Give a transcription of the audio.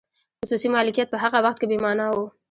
خصوصي مالکیت په هغه وخت کې بې مانا و.